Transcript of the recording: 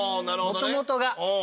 もともとが。